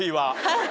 はい！